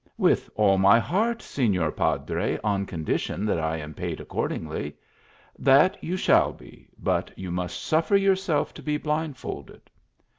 " With all my heart, Seiior Padre, on condition that I am paid accordingly." " That you shall be, but you must suffer yourself to be blindfolded."